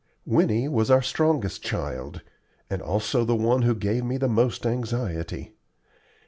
Winnie was our strongest child, and also the one who gave me the most anxiety.